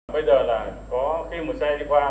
bây giờ là có khi mua xe đi qua